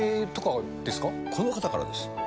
この方からです。